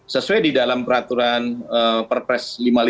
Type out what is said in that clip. sesuai di dalam peraturan perpres lima puluh lima